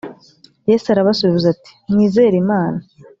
yesu arabasubiza ati mwizere imana